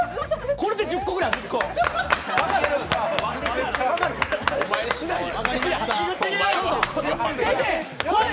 これで１０個ぐらいあるのよ